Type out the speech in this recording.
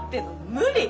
無理！